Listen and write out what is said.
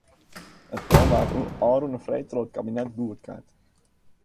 It plan waard ôfrûne freed troch it kabinet goedkard.